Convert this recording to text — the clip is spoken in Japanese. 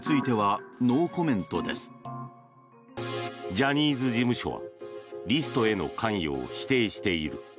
ジャニーズ事務所はリストへの関与を否定している。